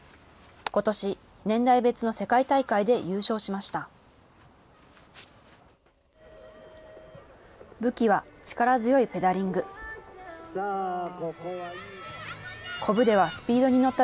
ことし年代別の世界大会で優勝しました。